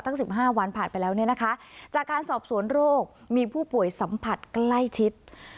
สิบห้าวันผ่านไปแล้วเนี่ยนะคะจากการสอบสวนโรคมีผู้ป่วยสัมผัสใกล้ชิด